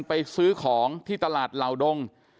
ไปซื้อของที่ตลาดเหล่าดง